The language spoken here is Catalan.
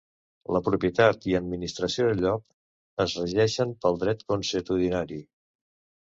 La propietat i administració del lloc es regeixen pel dret consuetudinari.